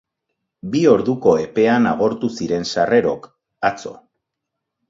Bi orduko epean agortu ziren sarrerok, atzo.